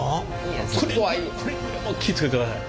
くれぐれもくれぐれも気ぃ付けてください。